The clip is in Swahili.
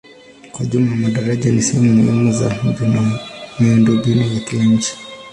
Kwa jumla madaraja ni sehemu muhimu za miundombinu ya kila nchi.